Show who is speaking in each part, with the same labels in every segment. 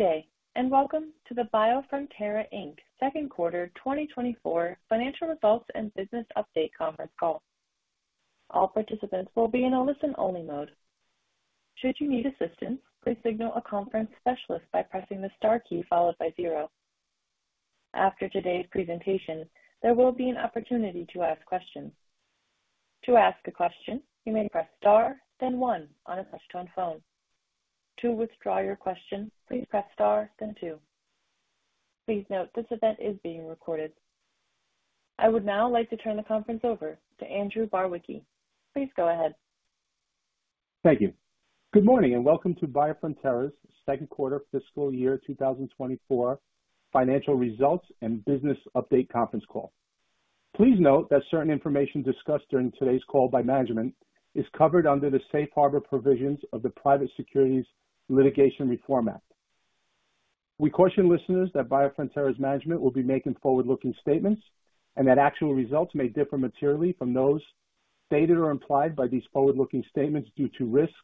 Speaker 1: Good day, and welcome to the Biofrontera Inc. second quarter 2024 financial results and business update conference call. All participants will be in a listen-only mode. Should you need assistance, please signal a conference specialist by pressing the star key followed by zero. After today's presentation, there will be an opportunity to ask questions. To ask a question, you may press star, then one on a touch-tone phone. To withdraw your question, please press star, then two. Please note, this event is being recorded. I would now like to turn the conference over to Andrew Barwicki. Please go ahead.
Speaker 2: Thank you. Good morning, and welcome to Biofrontera's second quarter fiscal year 2024 financial results and business update conference call. Please note that certain information discussed during today's call by management is covered under the safe harbor provisions of the Private Securities Litigation Reform Act. We caution listeners that Biofrontera's management will be making forward-looking statements and that actual results may differ materially from those stated or implied by these forward-looking statements due to risks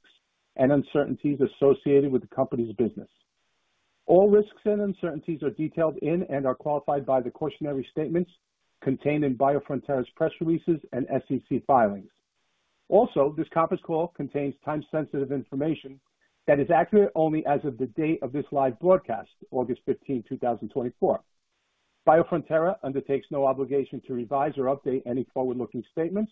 Speaker 2: and uncertainties associated with the company's business. All risks and uncertainties are detailed in and are qualified by the cautionary statements contained in Biofrontera's press releases and SEC filings. Also, this conference call contains time-sensitive information that is accurate only as of the date of this live broadcast, August 15th, 2024. Biofrontera undertakes no obligation to revise or update any forward-looking statements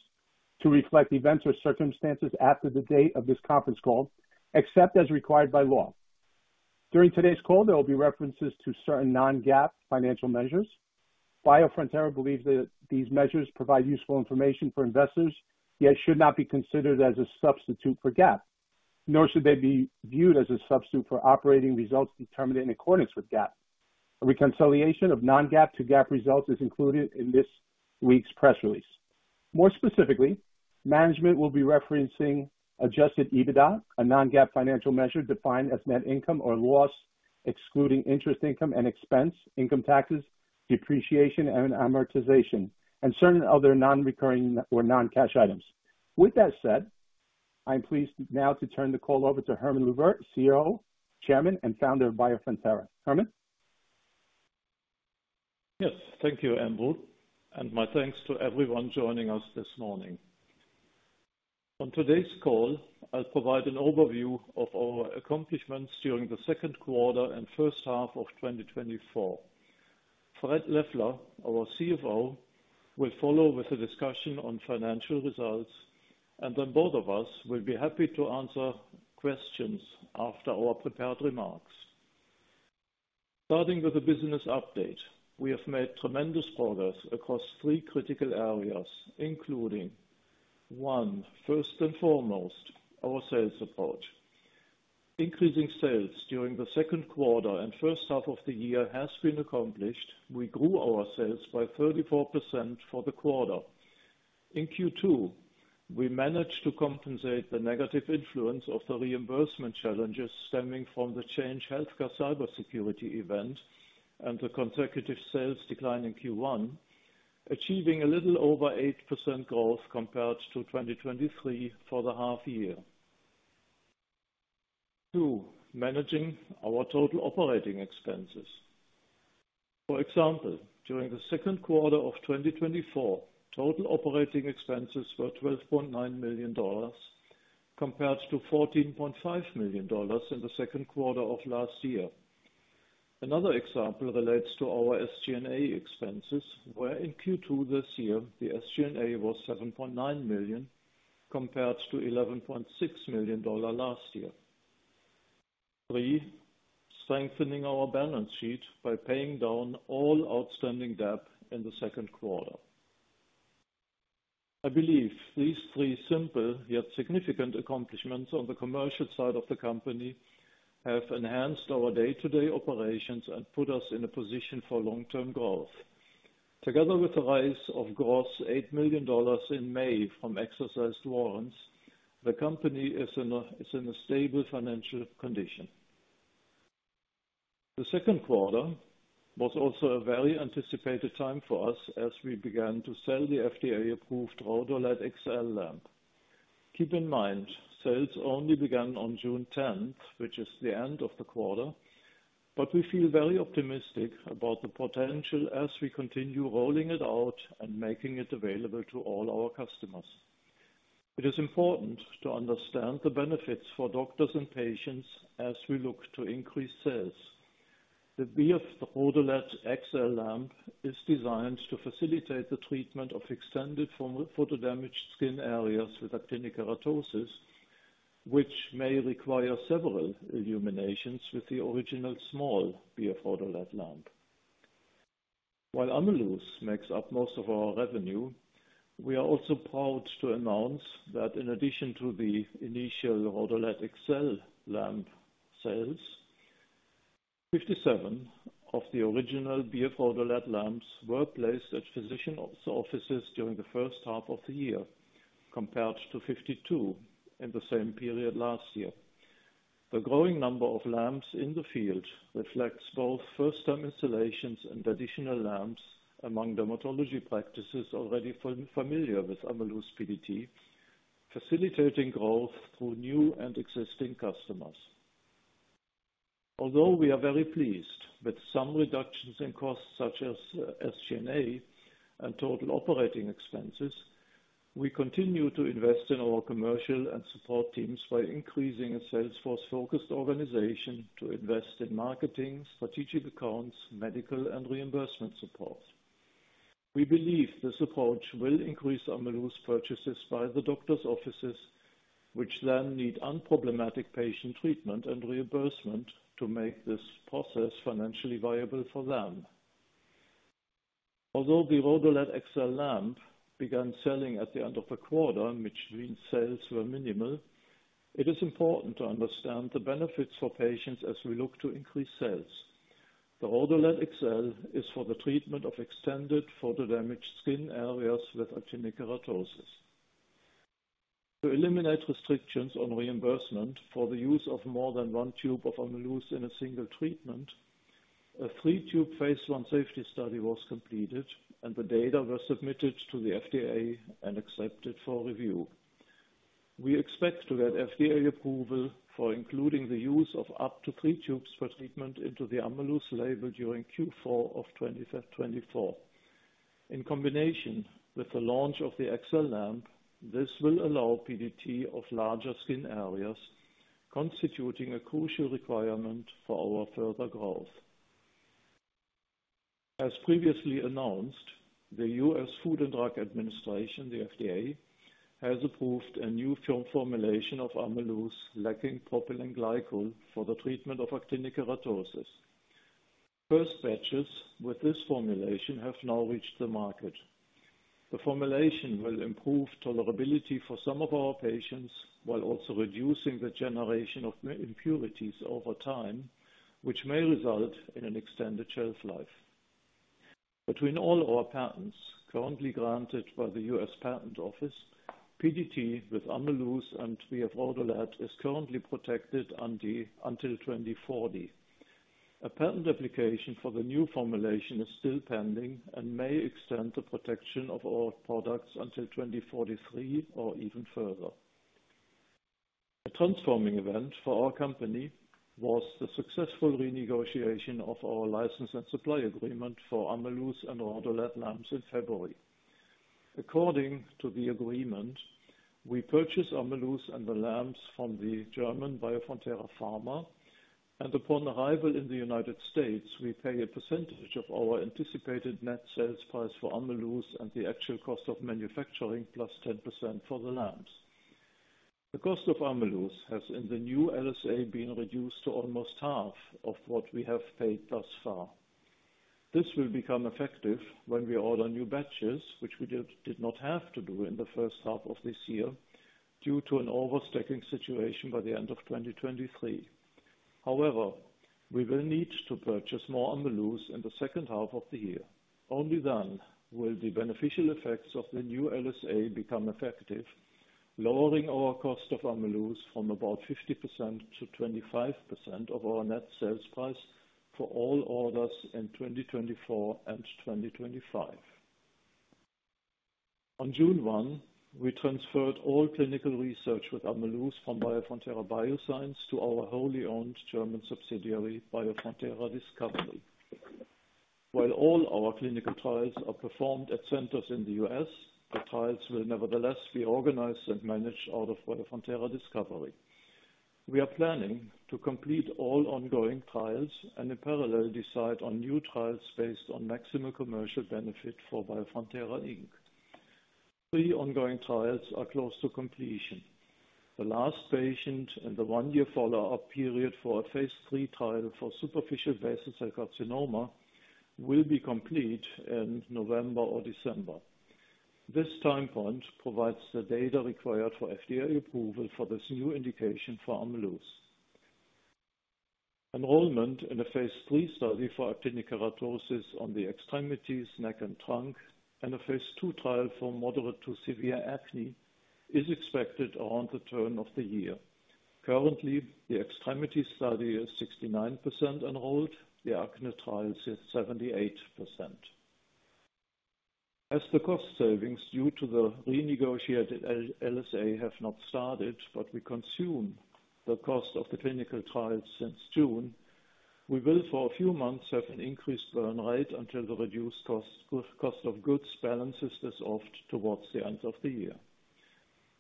Speaker 2: to reflect events or circumstances after the date of this conference call, except as required by law. During today's call, there will be references to certain non-GAAP financial measures. Biofrontera believes that these measures provide useful information for investors, yet should not be considered as a substitute for GAAP, nor should they be viewed as a substitute for operating results determined in accordance with GAAP. A reconciliation of non-GAAP to GAAP results is included in this week's press release. More specifically, management will be referencing Adjusted EBITDA, a non-GAAP financial measure defined as net income or loss, excluding interest, income and expense, income taxes, depreciation and amortization, and certain other non-recurring or non-cash items. With that said, I'm pleased now to turn the call over to Hermann Luebbert, CEO, Chairman, and Founder of Biofrontera. Hermann?
Speaker 3: Yes, thank you, Andrew, and my thanks to everyone joining us this morning. On today's call, I'll provide an overview of our accomplishments during the second quarter and first half of 2024. Fred Leffler, our CFO, will follow with a discussion on financial results, and then both of us will be happy to answer questions after our prepared remarks. Starting with the business update, we have made tremendous progress across three critical areas, including one, first and foremost, our sales approach. Increasing sales during the second quarter and first half of the year has been accomplished. We grew our sales by 34% for the quarter. In Q2, we managed to compensate the negative influence of the reimbursement challenges stemming from the Change Healthcare cybersecurity event and the consecutive sales decline in Q1, achieving a little over 8% growth compared to 2023 for the half year. 2, managing our total operating expenses. For example, during the second quarter of 2024, total operating expenses were $12.9 million, compared to $14.5 million in the second quarter of last year. Another example relates to our SG&A expenses, where in Q2 this year, the SG&A was $7.9 million, compared to $11.6 million last year. 3, strengthening our balance sheet by paying down all outstanding debt in the second quarter. I believe these three simple yet significant accomplishments on the commercial side of the company have enhanced our day-to-day operations and put us in a position for long-term growth. Together with the raise of gross $8 million in May from exercised warrants, the company is in a stable financial condition. The second quarter was also a very anticipated time for us as we began to sell the FDA-approved RhodoLED XL lamp. Keep in mind, sales only began on June 10, which is the end of the quarter, but we feel very optimistic about the potential as we continue rolling it out and making it available to all our customers. It is important to understand the benefits for doctors and patients as we look to increase sales. The BF-RhodoLED XL lamp is designed to facilitate the treatment of extended photo-damaged skin areas with actinic keratosis, which may require several illuminations with the original small BF-RhodoLED lamp. While AMELUZ makes up most of our revenue, we are also proud to announce that in addition to the initial RhodoLED XL lamp sales, 57 of the original BF-RhodoLED lamps were placed at physician offices during the first half of the year, compared to 52 in the same period last year. The growing number of lamps in the field reflects both first-time installations and additional lamps among dermatology practices already familiar with AMELUZ PDT... facilitating growth through new and existing customers. Although we are very pleased with some reductions in costs, such as SG&A and total operating expenses, we continue to invest in our commercial and support teams by increasing a sales force focused organization to invest in marketing, strategic accounts, medical and reimbursement support. We believe this approach will increase AMELUZ purchases by the doctor's offices, which then need unproblematic patient treatment and reimbursement to make this process financially viable for them. Although the RhodoLED XL lamp began selling at the end of the quarter, in which sales were minimal, it is important to understand the benefits for patients as we look to increase sales. The RhodoLED XL is for the treatment of extended photodamaged skin areas with actinic keratosis. To eliminate restrictions on reimbursement for the use of more than one tube of AMELUZ in a single treatment, a three-tube phase 1 safety study was completed, and the data were submitted to the FDA and accepted for review. We expect to get FDA approval for including the use of up to three tubes per treatment into the AMELUZ label during Q4 of 2024. In combination with the launch of the XL lamp, this will allow PDT of larger skin areas, constituting a crucial requirement for our further growth. As previously announced, the U.S. Food and Drug Administration, the FDA, has approved a new film formulation of AMELUZ lacking propylene glycol for the treatment of actinic keratosis. First batches with this formulation have now reached the market. The formulation will improve tolerability for some of our patients, while also reducing the generation of impurities over time, which may result in an extended shelf life. Between all our patents currently granted by the U.S. Patent and Trademark Office, PDT with AMELUZ and via RhodoLED is currently protected until 2040. A patent application for the new formulation is still pending and may extend the protection of our products until 2043 or even further. A transforming event for our company was the successful renegotiation of our license and supply agreement for AMELUZ and RhodoLED lamps in February. According to the agreement, we purchase AMELUZ and the lamps from the German Biofrontera Pharma, and upon arrival in the United States, we pay a percentage of our anticipated net sales price for AMELUZ and the actual cost of manufacturing, plus 10% for the lamps. The cost of AMELUZ has, in the new LSA, been reduced to almost half of what we have paid thus far. This will become effective when we order new batches, which we did not have to do in the first half of this year, due to an overstocking situation by the end of 2023. However, we will need to purchase more AMELUZ in the second half of the year. Only then will the beneficial effects of the new LSA become effective, lowering our cost of AMELUZ from about 50% to 25% of our net sales price for all orders in 2024 and 2025. On June 1, we transferred all clinical research with AMELUZ from Biofrontera Bioscience to our wholly owned German subsidiary, Biofrontera Discovery. While all our clinical trials are performed at centers in the U.S., the trials will nevertheless be organized and managed out of Biofrontera Discovery. We are planning to complete all ongoing trials and in parallel, decide on new trials based on maximum commercial benefit for Biofrontera Inc. Three ongoing trials are close to completion. The last patient in the one-year follow-up period for a phase 3 trial for superficial basal cell carcinoma will be complete in November or December. This time point provides the data required for FDA approval for this new indication for AMELUZ. Enrollment in a phase 3 study for actinic keratosis on the extremities, neck and trunk, and a phase 2 trial for moderate to severe acne, is expected around the turn of the year. Currently, the extremity study is 69% enrolled, the acne trials is 78%. As the cost savings due to the renegotiated LSA have not started, but we consume the cost of the clinical trials since June, we will, for a few months, have an increased burn rate until the reduced cost, cost of goods balances this off towards the end of the year.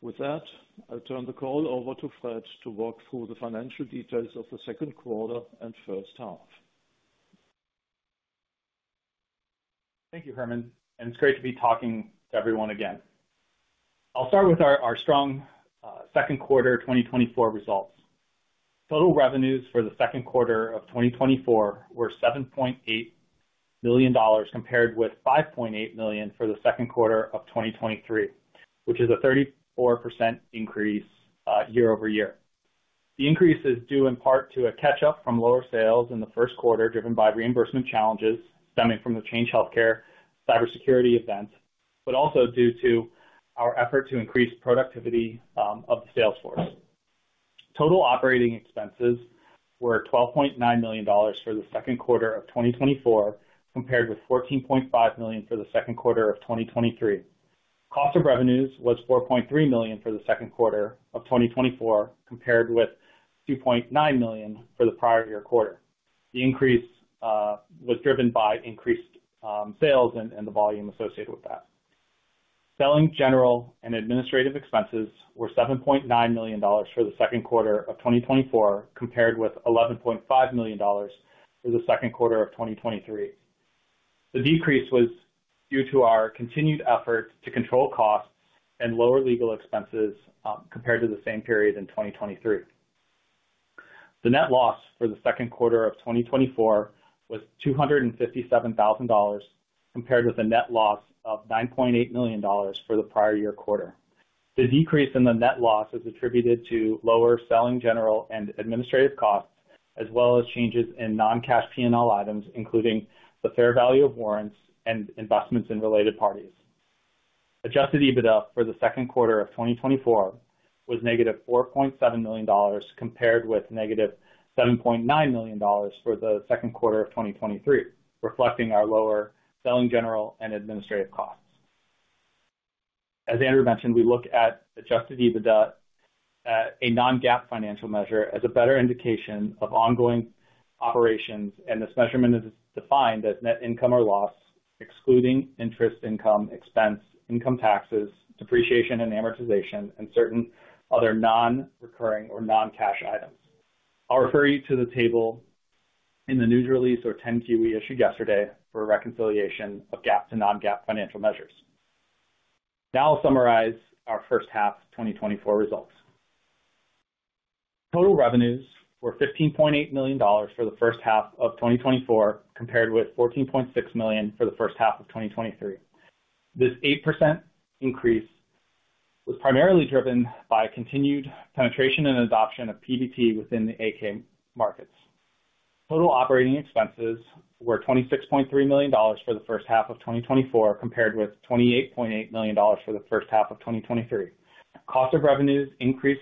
Speaker 3: With that, I'll turn the call over to Fred to walk through the financial details of the second quarter and first half.
Speaker 4: Thank you, Hermann, and it's great to be talking to everyone again. I'll start with our strong second quarter 2024 results. Total revenues for the second quarter of 2024 were $7.8 million, compared with $5.8 million for the second quarter of 2023, which is a 34% increase year-over-year. The increase is due in part to a catch-up from lower sales in the first quarter, driven by reimbursement challenges stemming from the Change Healthcare cybersecurity event, but also due to our effort to increase productivity of the sales force. Total operating expenses were $12.9 million for the second quarter of 2024, compared with $14.5 million for the second quarter of 2023. Cost of revenues was $4.3 million for the second quarter of 2024, compared with $2.9 million for the prior year quarter. The increase was driven by increased sales and the volume associated with that. Selling general and administrative expenses were $7.9 million for the second quarter of 2024, compared with $11.5 million for the second quarter of 2023. The decrease was due to our continued efforts to control costs and lower legal expenses, compared to the same period in 2023. The net loss for the second quarter of 2024 was $257,000, compared with a net loss of $9.8 million for the prior year quarter. The decrease in the net loss is attributed to lower selling, general, and administrative costs, as well as changes in non-cash PNL items, including the fair value of warrants and investments in related parties. Adjusted EBITDA for the second quarter of 2024 was negative $4.7 million, compared with negative $7.9 million for the second quarter of 2023, reflecting our lower selling, general, and administrative costs. As Andrew mentioned, we look at adjusted EBITDA as a non-GAAP financial measure as a better indication of ongoing operations, and this measurement is defined as net income or loss, excluding interest, income, expense, income taxes, depreciation and amortization, and certain other non-recurring or non-cash items. I'll refer you to the table in the news release or 10-Q we issued yesterday for a reconciliation of GAAP to non-GAAP financial measures. Now I'll summarize our first half 2024 results. Total revenues were $15.8 million for the first half of 2024, compared with $14.6 million for the first half of 2023. This 8% increase was primarily driven by continued penetration and adoption of PBT within the AK markets. Total operating expenses were $26.3 million for the first half of 2024, compared with $28.8 million for the first half of 2023. Cost of revenues increased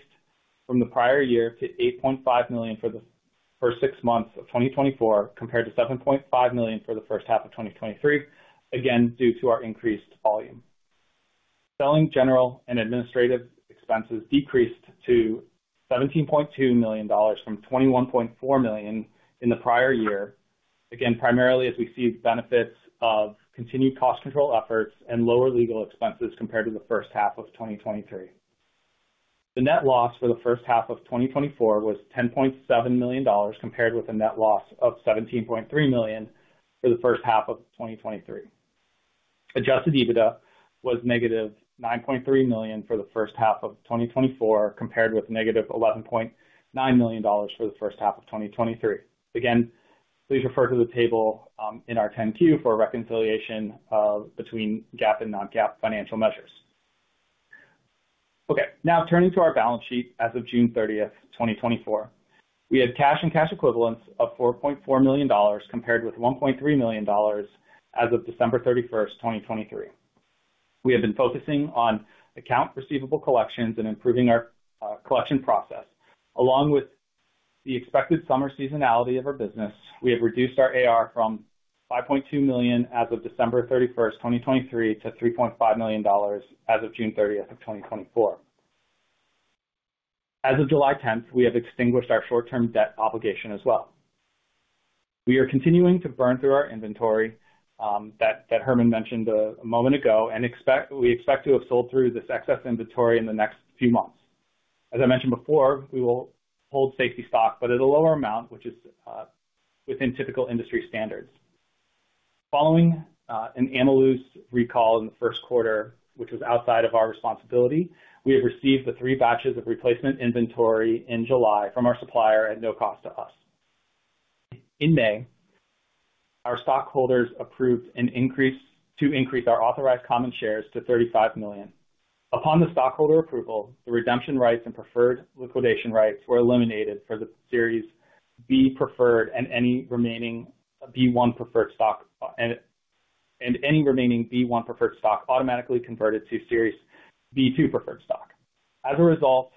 Speaker 4: from the prior year to $8.5 million for the first six months of 2024, compared to $7.5 million for the first half of 2023, again, due to our increased volume. Selling general and administrative expenses decreased to $17.2 million from $21.4 million in the prior year. Again, primarily as we see the benefits of continued cost control efforts and lower legal expenses compared to the first half of 2023. The net loss for the first half of 2024 was $10.7 million, compared with a net loss of $17.3 million for the first half of 2023. Adjusted EBITDA was negative $9.3 million for the first half of 2024, compared with negative $11.9 million for the first half of 2023. Again, please refer to the table in our 10-Q for a reconciliation between GAAP and non-GAAP financial measures. Okay, now turning to our balance sheet. As of June 30, 2024, we had cash and cash equivalents of $4.4 million, compared with $1.3 million as of December 31, 2023. We have been focusing on accounts receivable collections and improving our collection process. Along with the expected summer seasonality of our business, we have reduced our AR from $5.2 million as of December 31, 2023, to $3.5 million as of June 30, 2024. As of July 10, we have extinguished our short-term debt obligation as well. We are continuing to burn through our inventory that Hermann mentioned a moment ago, and we expect to have sold through this excess inventory in the next few months. As I mentioned before, we will hold safety stock, but at a lower amount, which is within typical industry standards. Following, an AMELUZ recall in the first quarter, which was outside of our responsibility, we have received the three batches of replacement inventory in July from our supplier at no cost to us. In May, our stockholders approved an increase to increase our authorized common shares to 35 million. Upon the stockholder approval, the redemption rights and preferred liquidation rights were eliminated for the Series B preferred, and any remaining B1 preferred stock automatically converted to Series B2 preferred stock. As a result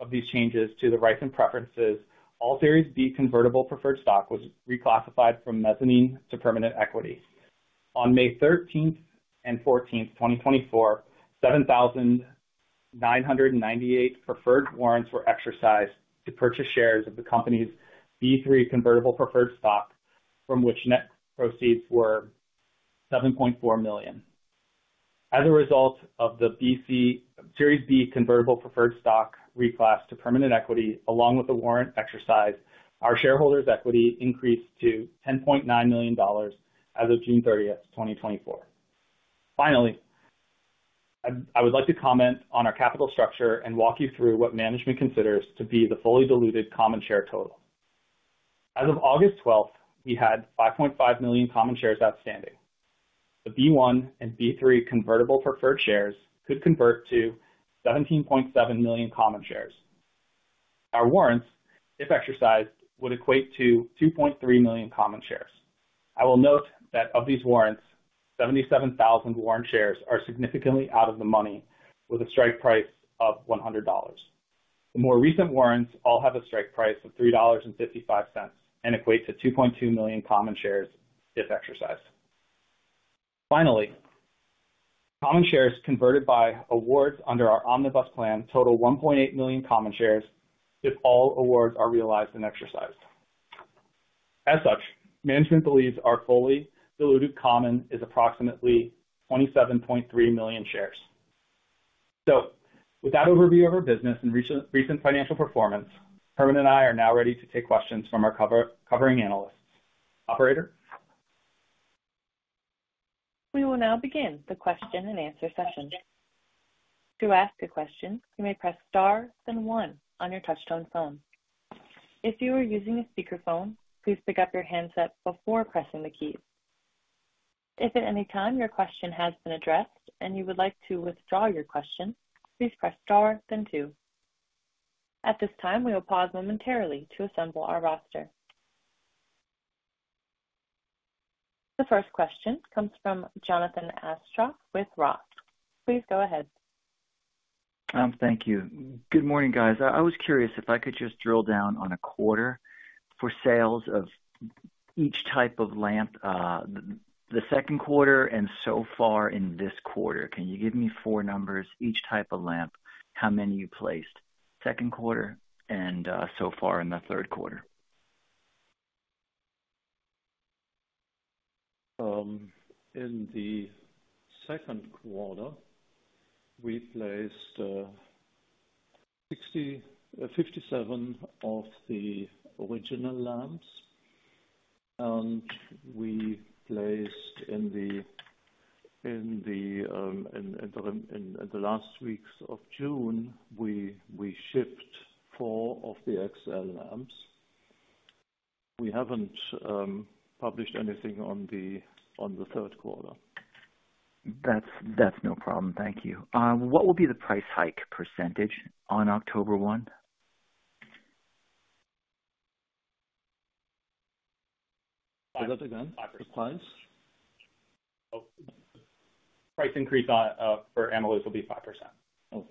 Speaker 4: of these changes to the rights and preferences, all Series B convertible preferred stock was reclassified from mezzanine to permanent equity. On May thirteenth and fourteenth, 2024, 7,998 preferred warrants were exercised to purchase shares of the company's B3 convertible preferred stock, from which net proceeds were $7.4 million. As a result of the Series B convertible preferred stock reclass to permanent equity, along with the warrant exercise, our shareholders' equity increased to $10.9 million as of June thirtieth, 2024. Finally, I would like to comment on our capital structure and walk you through what management considers to be the fully diluted common share total. As of August twelfth, we had 5.5 million common shares outstanding. The B1 and B3 convertible preferred shares could convert to 17.7 million common shares. Our warrants, if exercised, would equate to 2.3 million common shares. I will note that of these warrants, 77,000 warrant shares are significantly out of the money with a strike price of $100. The more recent warrants all have a strike price of $3.55 and equate to 2.2 million common shares if exercised. Finally, common shares converted by awards under our Omnibus Plan total 1.8 million common shares if all awards are realized and exercised. As such, management believes our fully diluted common is approximately 27.3 million shares. So with that overview of our business and recent financial performance, Hermann and I are now ready to take questions from our covering analysts. Operator?
Speaker 1: We will now begin the question and answer session. To ask a question, you may press Star then one on your touch-tone phone. If you are using a speakerphone, please pick up your handset before pressing the key. If at any time your question has been addressed and you would like to withdraw your question, please press Star then two. At this time, we will pause momentarily to assemble our roster. The first question comes from Jonathan Aschoff with Roth MKM. Please go ahead.
Speaker 5: Thank you. Good morning, guys. I was curious if I could just drill down on a quarter for sales of each type of lamp, the second quarter and so far in this quarter. Can you give me 4 numbers, each type of lamp, how many you placed? Second quarter and so far in the third quarter.
Speaker 3: In the second quarter, we placed 57 of the original lamps, and in the last weeks of June, we shipped 4 of the XL lamps. We haven't published anything on the third quarter.
Speaker 5: That's, that's no problem. Thank you. What will be the price hike percentage on October one?
Speaker 3: Say that again. The price?
Speaker 4: Price increase on for analyst will be 5%.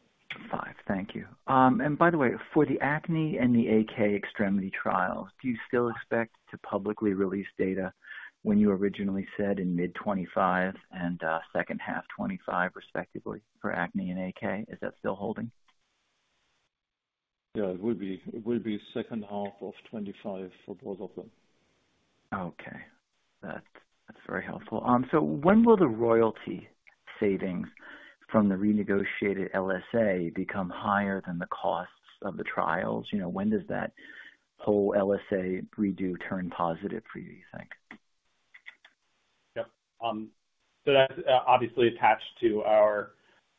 Speaker 5: Five. Thank you. And by the way, for the acne and the AK extremity trial, do you still expect to publicly release data when you originally said in mid-2025 and second half 2025, respectively, for acne and AK? Is that still holding?
Speaker 3: Yeah, it will be. It will be second half of 2025 for both of them.
Speaker 5: Okay. That's, that's very helpful. So when will the royalty savings from the renegotiated LSA become higher than the costs of the trials? You know, when does that whole LSA redo turn positive for you, you think?
Speaker 4: Yep. So that's obviously attached to our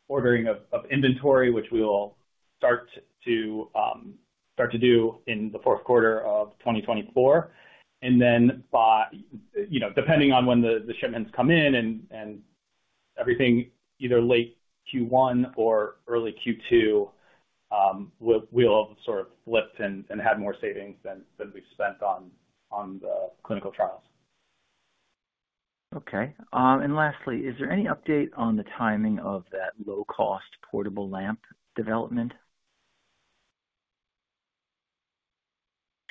Speaker 4: ordering of inventory, which we will start to do in the fourth quarter of 2024, and then by... You know, depending on when the shipments come in and everything, either late Q1 or early Q2, we'll sort of flip and have more savings than we've spent on the clinical trials.
Speaker 5: Okay. And lastly, is there any update on the timing of that low-cost portable lamp development?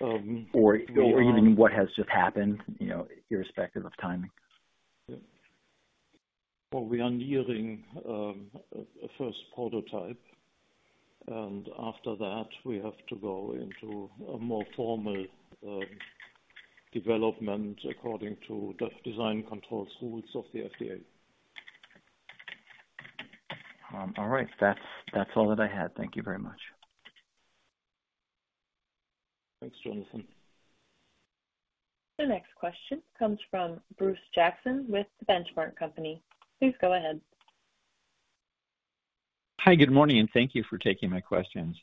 Speaker 3: Um-
Speaker 5: Or even what has just happened, you know, irrespective of timing.
Speaker 3: Well, we are nearing a first prototype, and after that, we have to go into a more formal development according to the Design Control rules of the FDA.
Speaker 5: All right. That's, that's all that I had. Thank you very much.
Speaker 3: Thanks, Jonathan.
Speaker 1: The next question comes from Bruce Jackson with The Benchmark Company. Please go ahead.
Speaker 6: Hi, good morning, and thank you for taking my questions.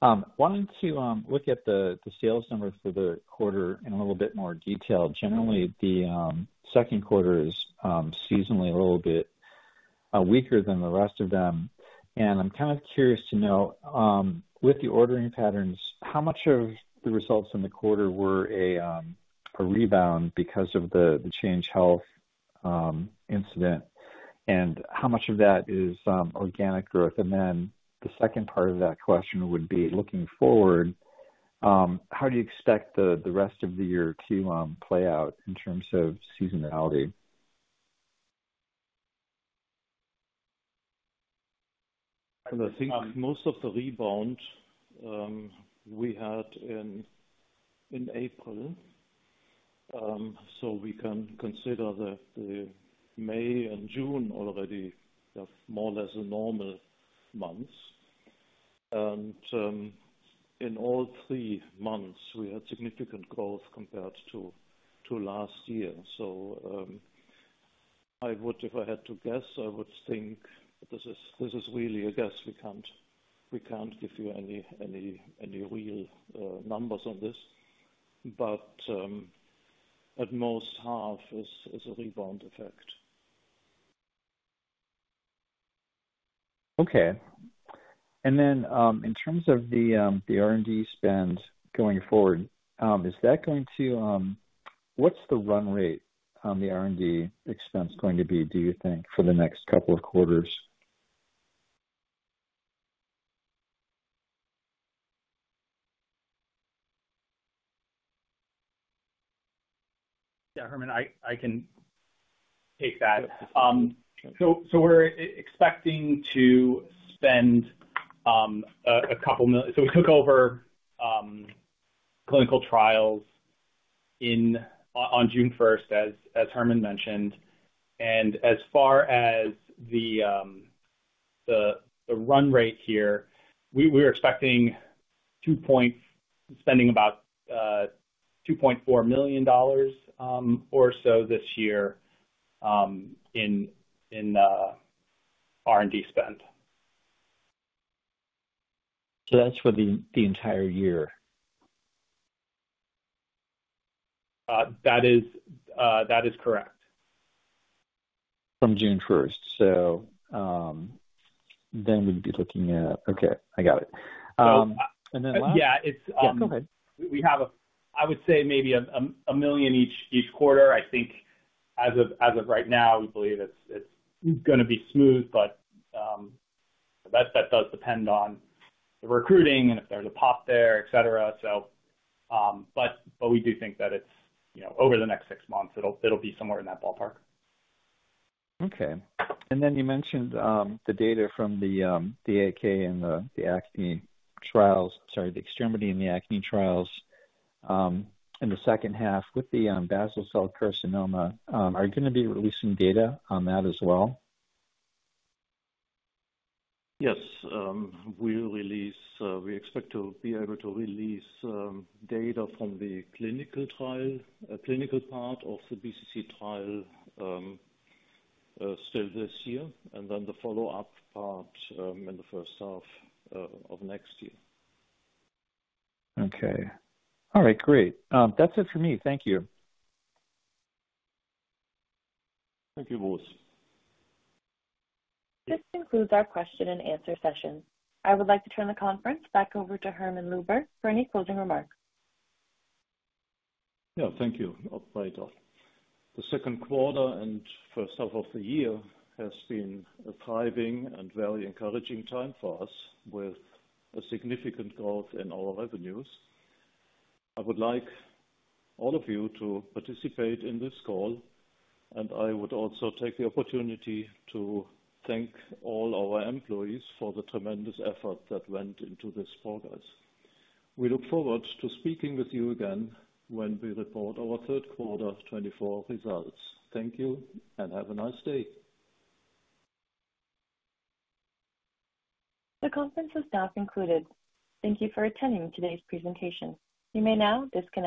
Speaker 6: Wanted to look at the sales numbers for the quarter in a little bit more detail. Generally, the second quarter is seasonally a little bit weaker than the rest of them, and I'm kind of curious to know, with the ordering patterns, how much of the results in the quarter were a rebound because of the Change Healthcare incident, and how much of that is organic growth? And then the second part of that question would be: looking forward, how do you expect the rest of the year to play out in terms of seasonality?
Speaker 3: I think most of the rebound we had in April, so we can consider the May and June already as more or less a normal months. In all three months, we had significant growth compared to last year. I would, if I had to guess, I would think this is, this is really a guess, we can't give you any real numbers on this, but at most half is a rebound effect....
Speaker 6: Okay. And then, in terms of the R&D spend going forward, is that going to, what's the run rate on the R&D expense going to be, do you think, for the next couple of quarters?
Speaker 4: Yeah, Hermann, I can take that. So we're expecting to spend a couple million. So we took over clinical trials on June first, as Hermann mentioned. And as far as the run rate here, we're expecting spending about $2.4 million or so this year in R&D spend.
Speaker 6: That's for the entire year?
Speaker 4: That is, that is correct.
Speaker 6: From June first, so, then we'd be looking at... Okay, I got it. And then last-
Speaker 4: Yeah, it's.
Speaker 6: Yeah, go ahead.
Speaker 4: We have, I would say, maybe $1 million each quarter. I think as of right now, we believe it's gonna be smooth, but that does depend on the recruiting and if there's a pop there, et cetera. So, but we do think that it's, you know, over the next six months, it'll be somewhere in that ballpark.
Speaker 6: Okay. And then you mentioned the data from the AK and the acne trials, sorry, the extremity and the acne trials, in the second half with the basal cell carcinoma. Are you gonna be releasing data on that as well?
Speaker 3: Yes, we will release. We expect to be able to release data from the clinical trial, clinical part of the BCC trial, still this year, and then the follow-up part in the first half of next year.
Speaker 6: Okay. All right, great. That's it for me. Thank you.
Speaker 3: Thank you, Bruce.
Speaker 1: This concludes our question and answer session. I would like to turn the conference back over to Hermann Luebbert for any closing remarks.
Speaker 3: Yeah, thank you. Bye, Dot. The second quarter and first half of the year has been a thriving and very encouraging time for us, with a significant growth in our revenues. I would like all of you to participate in this call, and I would also take the opportunity to thank all our employees for the tremendous effort that went into this progress. We look forward to speaking with you again when we report our third quarter 2024 results. Thank you, and have a nice day.
Speaker 1: The conference is now concluded. Thank you for attending today's presentation. You may now disconnect.